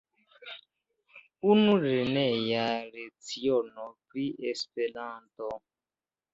Unu lerneja leciono pri Esperanto!